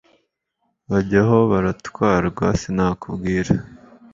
bajyaho baratwarwa sinakubwira